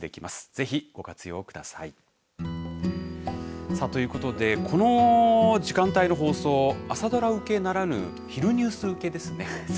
ぜひご活用ください。ということで、この時間帯の放送、朝ドラ受けならぬ昼ニュース受けですね。